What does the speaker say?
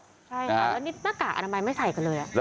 ใช่ค่ะแล้วนี่มะกะอนามัยไม่ใส่กันเลยอะ